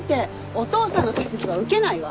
お父さんの指図は受けないわ。